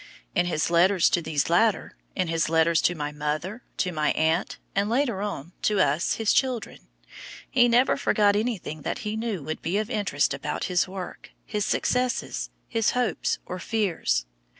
In his letters to these latter, in his letters to my mother, to my aunt, and, later on, to us his children, he never forgot anything that he knew would be of interest about his work, his successes, his hopes or fears.